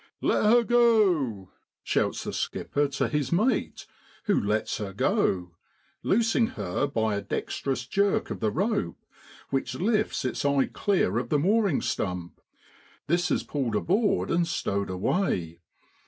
'Let her go !' shouts the skipper to his mate, who lets her go, loosing her by a dexterous jerk of the rope, which lifts its eye clear off the mooring stump ; this is pulled aboard and stowed away.